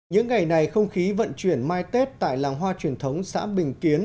những ngày này không khí vận chuyển mai tết tại làng hoa truyền thống xã bình kiến